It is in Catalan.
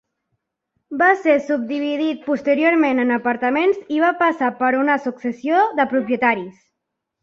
Va ser subdividit posteriorment en apartaments i va passar per una successió de propietaris.